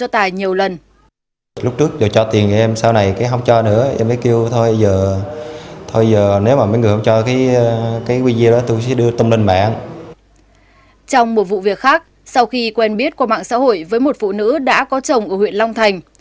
trong một vụ việc khác sau khi quen biết qua mạng xã hội với một phụ nữ đã có chồng ở huyện long thành